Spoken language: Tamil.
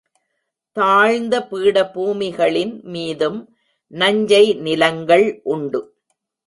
தாழ்ந்த பீடபூமிகளின் மீதும் நஞ்சை நிலங்கள் உண்டு.